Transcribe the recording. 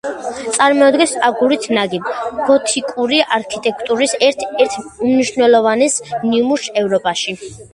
წარმოადგენს აგურით ნაგებ, გოთიკური არქიტექტურის ერთ-ერთ უმნიშვნელოვანეს ნიმუშს ევროპაში.